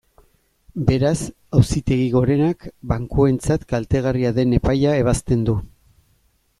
Beraz, Auzitegi Gorenak bankuentzat kaltegarria den epaia ebazten du.